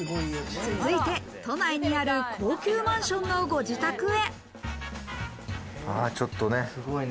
続いて都内にある高級マンションのご自宅へ。